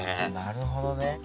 なるほどね。